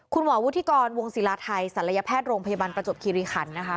วุฒิกรวงศิลาไทยศัลยแพทย์โรงพยาบาลประจวบคิริขันนะคะ